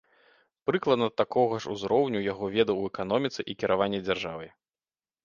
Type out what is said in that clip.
Прыкладна такога ж узроўню яго веды ў эканоміцы і кіраванні дзяржавай.